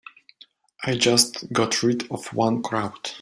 I just got rid of one crowd.